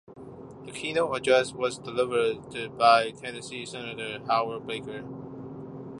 The keynote address was delivered by Tennessee Senator Howard Baker.